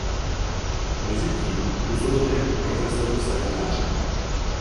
Mezitím působil i jako profesor v semináři.